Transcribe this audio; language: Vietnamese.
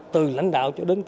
từ lãnh đạo cho đến cơ